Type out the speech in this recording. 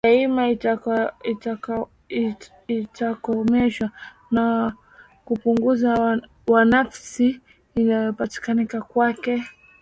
daima itakomeshwa na upungufu wa nafasi inayopatikana kwake